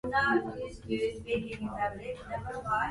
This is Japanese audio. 主人は鼻の下の黒い毛を撚りながら吾輩の顔をしばらく眺めておったが、